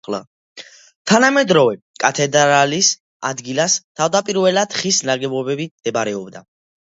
თანამედროვე კათედრალის ადგილას თავდაპირველად ხის ნაგებობები მდებარეობდა.